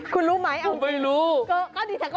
คุณรู้ไหมคุณรู้ไหม